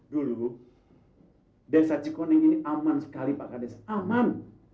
dulu desa cikoning ini aman sekali pak kades aman